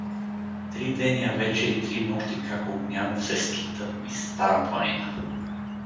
Три деня вече и три нощи как Огнянов се скита из Стара планина.